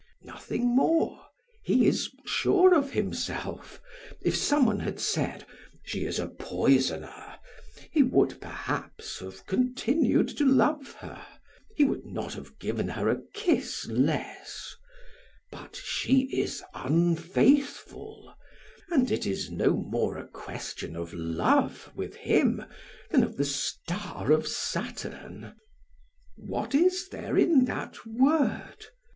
Nothing more, he is sure of himself. If some one had said: 'She is a poisoner,' he would, perhaps, have continued to love her, he would not have given her a kiss less; but she is unfaithful and it is no more a question of love with him than of the star of Saturn. "What is there in that word?